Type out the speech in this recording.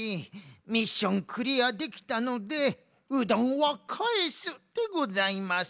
ミッションクリアできたのでうどんをかえすでございます。